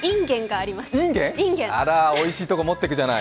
あら、おいしいとこ持ってくじゃない。